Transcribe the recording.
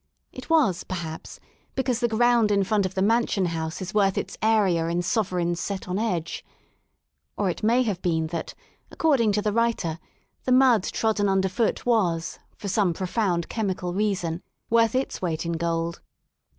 It was, perhaps, because the ground in front of the Mansion House is worth its area in sovereigns set on edge. Or it may have been that, according to the writer, the mud trodden underfoot was, for some profound chemical reason, worth its weight in gold.